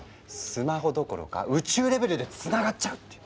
スマホどころか宇宙レベルでつながっちゃうっていうか。